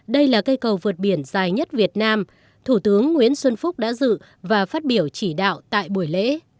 đây là cây cầu vượt biển dài nhất việt nam thủ tướng nguyễn xuân phúc đã dự và phát biểu chỉ đạo tại buổi lễ